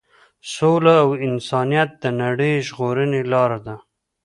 سوله او انسانیت د نړۍ د ژغورنې لار ده.